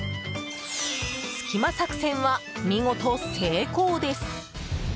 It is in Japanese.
隙間作戦は見事、成功です。